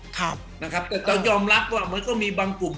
แต่เรายอมรับว่ามันก็มีบางกลุ่ม